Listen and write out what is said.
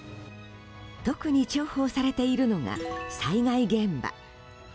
特に重宝されているのが災害現場。